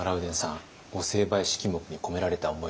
御成敗式目に込められた思い